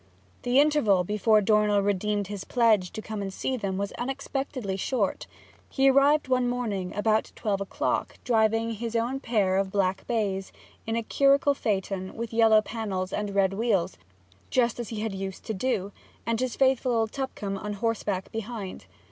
The interval before Dornell redeemed his pledge to come and see them was unexpectedly short. He arrived one morning about twelve o'clock, driving his own pair of black bays in the curricle phaeton with yellow panels and red wheels, just as he had used to do, and his faithful old Tupcombe on horseback behind.